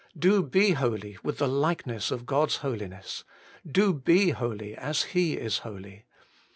Do be holy with the likeness of God's Holiness. Do be holy as He is holy.